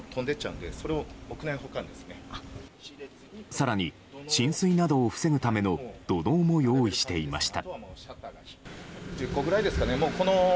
更に、浸水などを防ぐための土のうも用意していました。